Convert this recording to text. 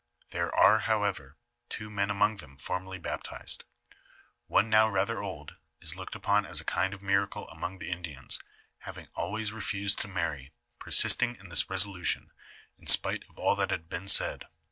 There are, however, two men among them formerly baptized. One now rather old, is looked upon as a kind of miracle among the Indians, having always refused to marry, persisting in this resolution in spite of all that had been said.